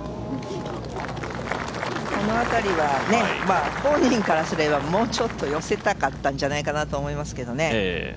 この辺りは本人からすればもうちょっと寄せたかったんじゃないかなと思いますけどね。